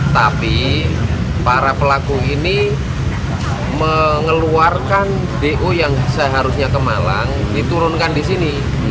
tapi para pelaku ini mengeluarkan do yang seharusnya ke malang diturunkan di sini